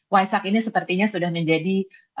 waisak ini sepertinya sudah menjadi